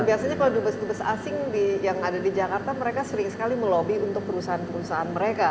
biasanya kalau di bus bus asing yang ada di jakarta mereka sering sekali melobby untuk perusahaan perusahaan mereka